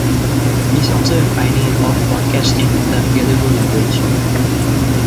He is also a pioneer of podcasting in the Galego language.